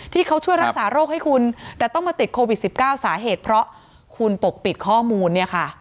ที่เขาช่วยรักษาโรคให้คุณแต่ต้องมาติดโควิด๑๙สาเหตุเพราะคุณปกปิดข้อมูลเนี่ยค่ะ